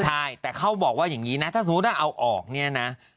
ใช่แต่เขาบอกว่าอย่างนี้นะถ้าสมมุติว่าเอาออกเนี่ยนะ